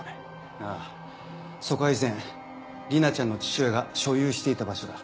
ああそこは以前莉奈ちゃんの父親が所有していた場所だ。